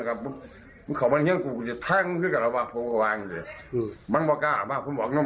แล้วมาต่อพบกรแหงหมาแล้วพวกมันทำไป